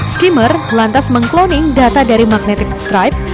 skimmer lantas mengkloning data dari magnetic stripe